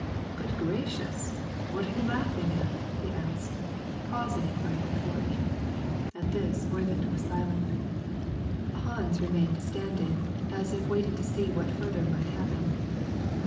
"Good gracious, what are you laughing at?" he asked, pausing in front of the porch. At this Oyvind was silent. Hans remained standing, as if waiting to see what further might happen.